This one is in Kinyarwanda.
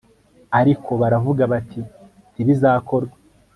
ariko baravuga bati ntibizakorwe